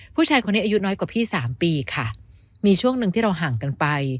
ผู้ชายคนนี้อายุน้อยกว่าพี่สามปีค่ะมีช่วงหนึ่งที่เราห่างกันไป